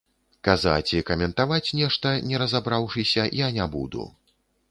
Казаць і каментаваць нешта, не разабраўшыся, я не буду.